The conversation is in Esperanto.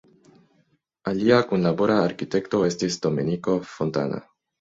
Alia kunlabora arkitekto estis Domenico Fontana.